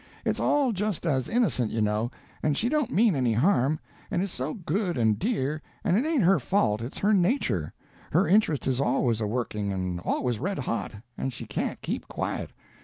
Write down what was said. It's all just as innocent, you know, and she don't mean any harm, and is so good and dear; and it ain't her fault, it's her nature; her interest is always a working and always red hot, and she can't keep quiet.